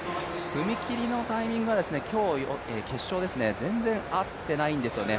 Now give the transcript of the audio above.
踏み切りのタイミングが今日、決勝、全然合ってないんですよね。